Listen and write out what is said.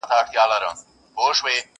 o بدي دي وکړه، د لويه کوره!